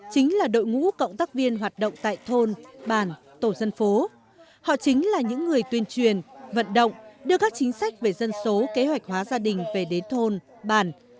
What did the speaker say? họ chính là những người tuyên truyền vận động đưa các chính sách về dân số kế hoạch hóa gia đình về đến thôn bản